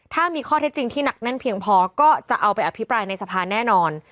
ถ้ามีข้อเท็จจริงที่หนักแน่นเพียงพอก็จะเอาไปอภิปรายในสภาแน่นอน